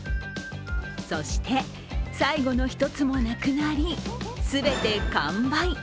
そして、最後の１つもなくなり全て完売。